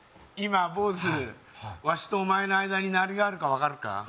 今ぼうずワシとお前の間に何があるか分かるか？